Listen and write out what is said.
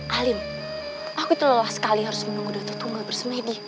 halim aku itu lelah sekali harus menunggu dokter tunggal bersemedi